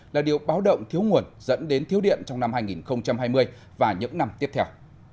là điều báo động thiếu nguồn dẫn đến thiếu điện trong năm hai nghìn hai mươi và những năm tiếp theo